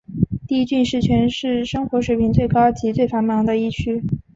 第一郡是全市生活水平最高及最繁忙的一区。